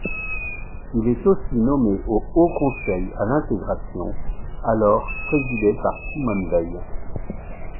Il est aussi nommé au Haut Conseil à l'Intégration, alors présidé par Simone Veil.